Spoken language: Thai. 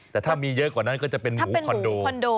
แต่ถ้ามีเยอะกว่านั้นก็จะเป็นหมูคอนโดคอนโด